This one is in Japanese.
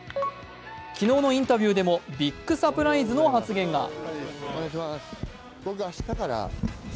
昨日のインタビューでもビッグサプライズの発言が。